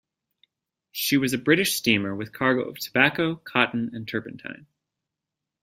She was a British steamer with cargo of tobacco, cotton, and turpentine.